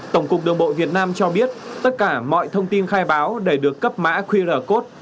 tổng cục đường bộ việt nam cho biết tất cả mọi thông tin khai báo đều được cấp mã qr code